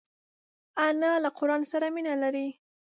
انا له قران سره مینه لري